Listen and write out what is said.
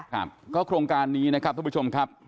ครับก็โครงการนี้นะครับทุกผู้ชมครับ